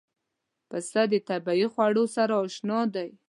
پسه د طبیعي خوړو سره اشنا دی.